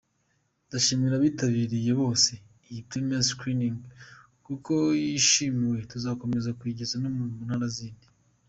Ndashimira abitabiriye bose iyi premier screening kuko yishimiwe tuzanakomeza tuyigeze no mu ntara zindi.